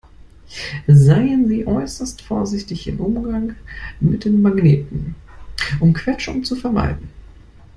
Seien Sie äußerst vorsichtig im Umgang mit den Magneten, um Quetschungen zu vermeiden.